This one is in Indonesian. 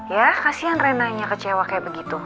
ya kasihan reina nya kecewa kayak begitu